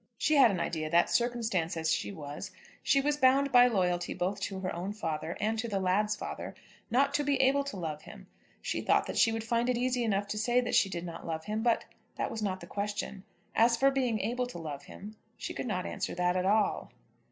She had an idea that, circumstanced as she was, she was bound by loyalty both to her own father and to the lad's father not to be able to love him. She thought that she would find it easy enough to say that she did not love him; but that was not the question. As for being able to love him, she could not answer that at all.